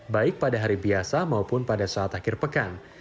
baik pada hari biasa maupun pada saat akhir pekan